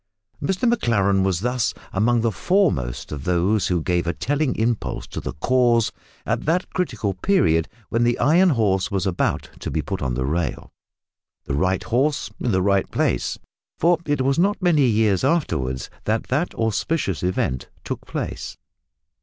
Mr Maclaren was thus among the foremost of those who gave a telling impulse to the cause at that critical period when the Iron horse was about to be put on the rail the right horse in the right place for it was not many years afterwards that that auspicious event took place.